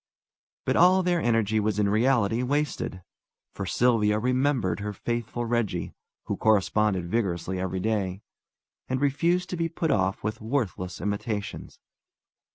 But all their energy was in reality wasted, for Sylvia remembered her faithful Reggie, who corresponded vigorously every day, and refused to be put off with worthless imitations.